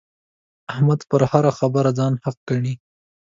احمد په هره خبره ځان حق ګڼي.